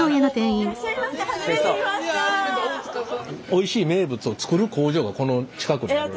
「おいしい名物」を作る工場がこの近くにある。